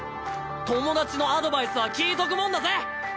友達のアドバイスは聞いとくもんだぜ！